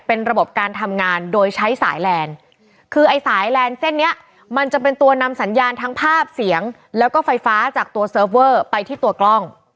เป็นระบบการทำงานโดยใช้สายแลนด์คือไอ้สายแลนด์เส้นนี้มันจะเป็นตัวนำสัญญาณทั้งภาพเสียงแล้วก็ไฟฟ้าจากตัวเซิร์ฟเวอร์ไปที่ตัวกล้อง